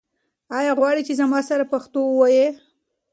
آیا غواړې چې زما سره پښتو ووایې؟